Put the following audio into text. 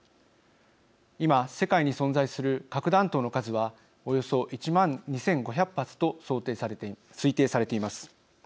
今、世界に存在する核弾頭の数はおよそ１万２５００発と推定されています。